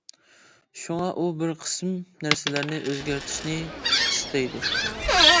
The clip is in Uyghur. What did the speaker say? شۇڭا ئۇ بىر قىسىم نەرسىلەرنى ئۆزگەرتىشنى ئىستەيدۇ.